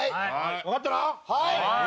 分かったな？